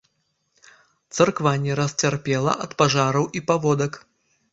Царква не раз цярпела ад пажараў і паводак.